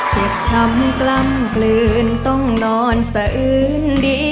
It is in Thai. เจ็บช้ำกล้ำกลืนต้องนอนสะอื้นดี